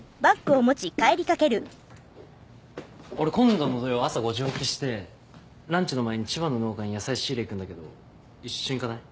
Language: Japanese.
俺今度の土曜朝５時起きしてランチの前に千葉の農家に野菜仕入れ行くんだけど一緒に行かない？